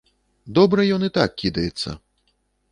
Добра ён і так кідаецца.